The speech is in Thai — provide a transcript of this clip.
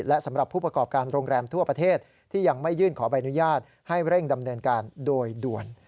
และสำหรับผู้ประกอบการโรงแรมทั่วประเทศที่ยังไม่ยื่นขอใบอนุญาตให้เร่งดำเนินการโดยด่วน